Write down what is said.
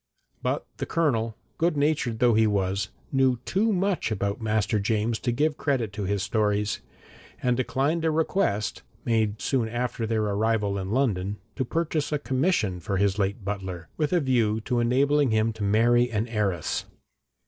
But the Colonel, good natured though he was, knew too much about master James to give credit to his stories, and declined a request, made soon after their arrival in London, to purchase a commission for his late butler, with a view to enabling him to marry an heiress.